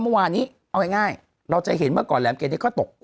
เมื่อวานนี้เอาง่ายเราจะเห็นเมื่อก่อนแหลมเกดนี้ก็ตก